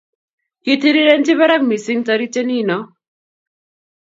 Kitirirenchi barak mising' toritie nino